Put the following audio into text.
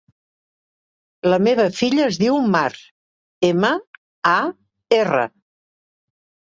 La meva filla es diu Mar: ema, a, erra.